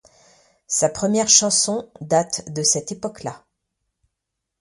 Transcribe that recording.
Sa première chanson date de cette époque-là.